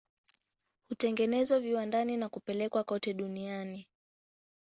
Hutengenezwa viwandani na kupelekwa kote duniani.